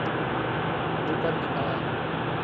وہ کر دکھایا۔